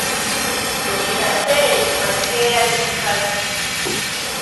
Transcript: Ggwe buli kaseera emimwa gibeera gikukaze.